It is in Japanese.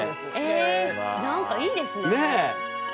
え何かいいですね。